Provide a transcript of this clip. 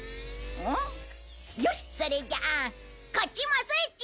よしそれじゃあこっちもスイッチオン！